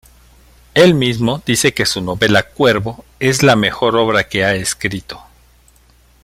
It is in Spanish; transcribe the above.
Él mismo dice que su novela "Cuervo" es la mejor obra que ha escrito.